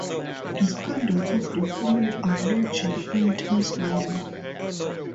Descendants of the family are legion in Tasmania.